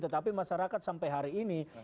tetapi masyarakat sampai hari ini